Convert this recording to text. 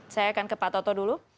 saya akan ke pak toto dulu